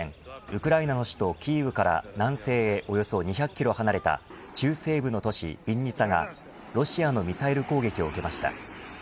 ウクライナの首都キーウから南西へおよそ２００キロ離れた中西部の都市ビンニツァがロシアのミサイル攻撃を受けました。